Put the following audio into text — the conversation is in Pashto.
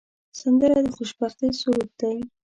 سندره د خوشبختۍ سرود دی